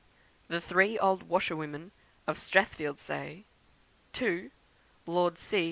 The three old Washer women of Strathfieldsaye; 2. Lord C.